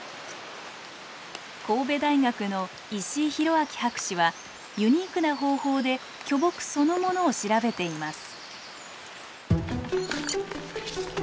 神戸大学の石井弘明博士はユニークな方法で巨木そのものを調べています。